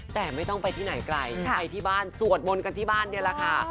แต่ไม่ต้องไปที่ไหนไกลไปที่บ้านสวดมนต์กันที่บ้านนี่แหละค่ะ